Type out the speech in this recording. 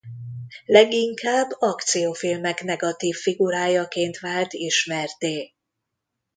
Leginkább akciófilmek negatív figurájaként vált ismertté.